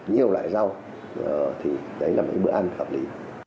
nhiều loại rau thì đấy là một bữa ăn hợp lý